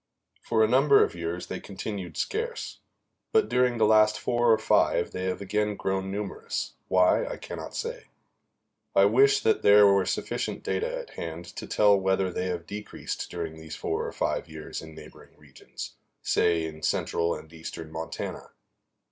For a number of years they continued scarce; but during the last four or five they have again grown numerous, why I cannot say. I wish that there were sufficient data at hand to tell whether they have decreased during these four or five years in neighboring regions, say in central and eastern Montana.